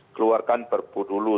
keluarkan perbu dulu